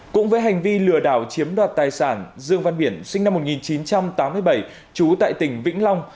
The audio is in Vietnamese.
cũng với hành vi lừa đảo chiếm đoạt tài sản dương văn miển sinh năm một nghìn chín trăm tám mươi bảy trú tại tỉnh vĩnh long